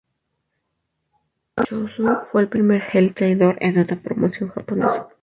Chōshū fue el primer "heel traidor" en una promoción japonesa.